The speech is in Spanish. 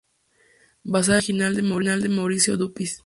Basada en una idea original de Mauricio Dupuis.